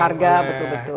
jadi harga betul betul